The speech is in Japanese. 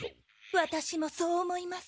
ワタシもそう思います。